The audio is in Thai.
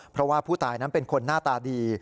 เพราะว่าผู้ตายนั้นเป็นคนหน้าตาดี